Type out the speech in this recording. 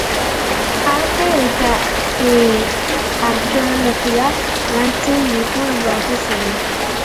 Arte eta arkeologia lantzen ditu batez ere.